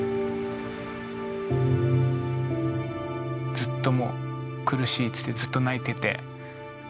ずっともう苦しいって言ってずっと泣いてて。